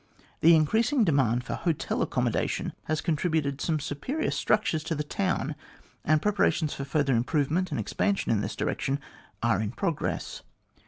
The increasing demand for hotel accommodation has contributed some superior structures to the town, and preparations for further improvement and expansion in this direction are in progress.